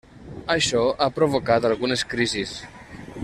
Això ha provocat algunes crisis.